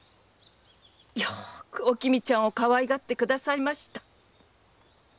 よくおきみちゃんをかわいがってくださいました。